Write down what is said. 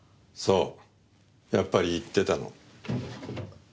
そうやっぱり行ってたの。